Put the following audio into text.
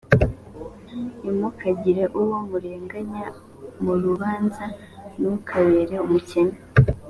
ntimukagire uwo murenganya mu rubanza ntukabere umukene